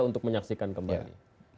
untuk menyaksikan kembali